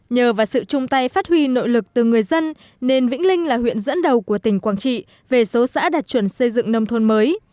nhờ vào sự chung tay phát huy nội lực từ người dân nên vĩnh linh là huyện dẫn đầu của tỉnh quảng trị về số xã đạt chuẩn xây dựng nông thôn mới